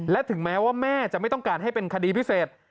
และถึงแม้ว่าแม่จะไม่ต้องการให้เป็นคดีพิเศษ